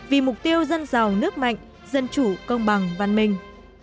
vì mục tiêu dân giàu nước mạnh dân chủ công bằng văn minh